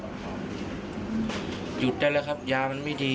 หยุดได้แล้วครับยามันไม่ดี